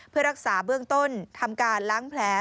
เพื่อรักษาเบื้องต้นทำการล้างแผล